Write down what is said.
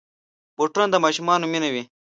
بوټونه د ماشومانو مینه وي.